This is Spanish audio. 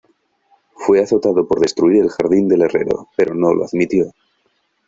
Fue azotado por destruir el jardín del herrero, pero no lo admitió.